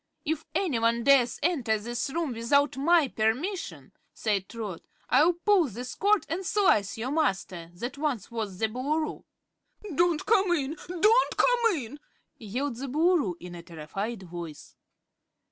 "If anyone dares enter this room without my permission," said Trot, "I'll pull this cord and slice your master that once was the Boolooroo." "Don't come in! Don't come in!" yelled the Boolooroo in a terrified voice.